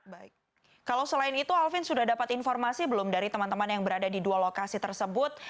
baik kalau selain itu alvin sudah dapat informasi belum dari teman teman yang berada di dua lokasi tersebut